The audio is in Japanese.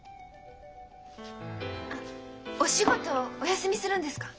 あっお仕事お休みするんですか？